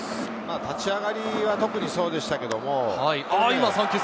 立ち上がりが特にそうでしたけれど。